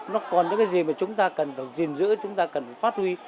nó còn cái gì mà chúng ta cần giữ chúng ta cần phát huy